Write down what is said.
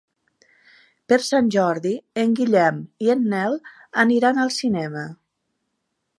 Per Sant Jordi en Guillem i en Nel aniran al cinema.